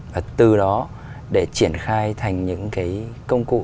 và từ đó để triển khai thành những cái công cụ